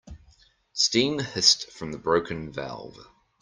Steam hissed from the broken valve.